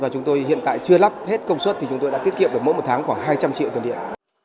chúng tôi hiện tại chưa lắp hết công suất thì chúng tôi đã tiết kiệm được mỗi một tháng khoảng hai trăm linh triệu tiền điện